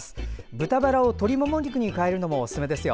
豚バラ肉を鶏もも肉に変えるのもおすすめです。